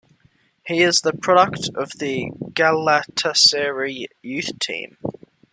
He is a product of the Galatasaray Youth Team.